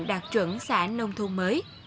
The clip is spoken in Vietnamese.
đạt chuẩn xã nông thôn mới